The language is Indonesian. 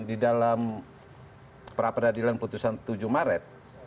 di dalam perapadadilan putusan tujuh maret